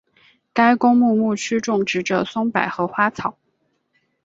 该公墓墓区种植着松柏和花草。